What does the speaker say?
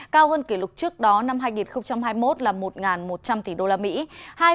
cao hơn kỷ lục trước đó năm hai nghìn hai mươi một là một một trăm linh tỷ đô la mỹ